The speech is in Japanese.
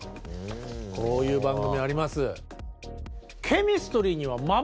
こういう番組あります。